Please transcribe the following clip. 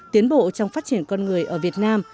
tiến bộ trong phát triển con người ở việt nam